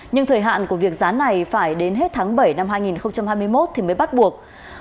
nhưng thời hạn của việc giá này phải đến hết tháng bảy năm hai nghìn hai mươi một thì mới bắt buộc